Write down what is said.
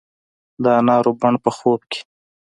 د انارو بڼ په خوب کې